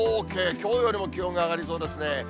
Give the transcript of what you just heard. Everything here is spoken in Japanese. きょうよりも気温が上がりそうですね。